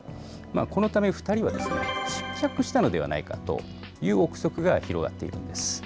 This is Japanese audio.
このため２人は、失脚したのではないかという臆測が広がっているんです。